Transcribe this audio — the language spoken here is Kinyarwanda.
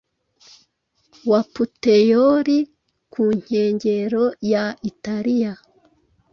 wa Puteyoli ku nkengero ya Italiya.